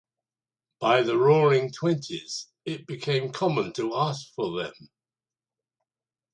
By the Roaring Twenties, it became common to ask for them.